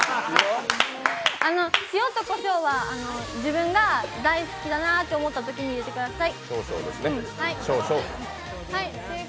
塩とこしょうは自分が大好きだなと思ったときに入れてください。